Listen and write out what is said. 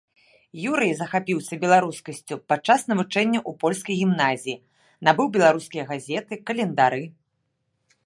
Юрый захапіўся беларускасцю падчас навучання ў польскай гімназіі, набываў беларускія газеты, календары.